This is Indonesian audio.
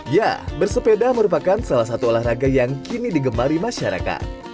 ya bersepeda merupakan salah satu olahraga yang kini digemari masyarakat